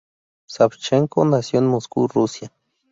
Savchenko nació en Moscú, Rusia.